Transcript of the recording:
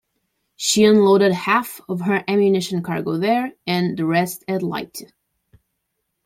She unloaded half of her ammunition cargo there, and the rest at Leyte.